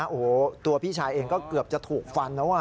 โอ้โหตัวพี่ชายเองก็เกือบจะถูกฟันแล้ว